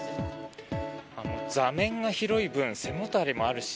座面が広い分背もたれもあるし